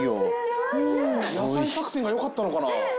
野菜作戦が良かったのかな？